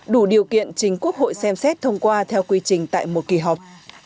đủ điều kiện chính quốc hội xem xét thông qua theo quy trình tại một kỳ họp